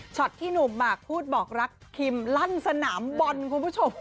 ที่หนุ่มหมากพูดบอกรักคิมลั่นสนามบอลคุณผู้ชม